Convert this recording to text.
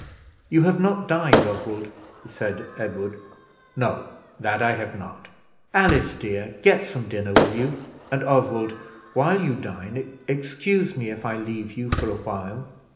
"You have not dined, Oswald?" said Edward. "No, that I have not." "Alice, dear, get some dinner, will you? And Oswald, while you dine, excuse me if I leave you for a while.